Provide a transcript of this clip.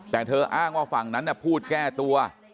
แต่เธออ้างว่าฝั่งนั้นพูดแก้ตัว